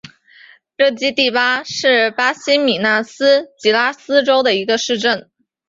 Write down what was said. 热基蒂巴是巴西米纳斯吉拉斯州的一个市镇。